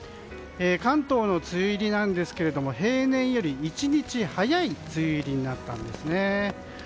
関東の梅雨入りなんですが平年より１日早い梅雨入りになったんですね。